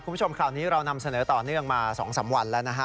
คุณผู้ชมข่าวนี้เรานำเสนอต่อเนื่องมา๒๓วันแล้วนะฮะ